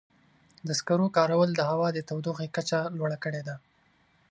د سکرو کارول د هوا د تودوخې کچه لوړه کړې ده.